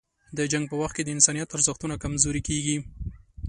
د جنګ په وخت کې د انسانیت ارزښتونه کمزوري کېږي.